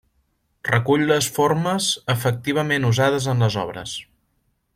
Recull les formes efectivament usades en les obres.